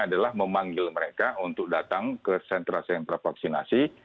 adalah memanggil mereka untuk datang ke sentra sentra vaksinasi